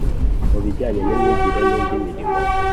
mu bijyanye n’imyigire nindi mirimo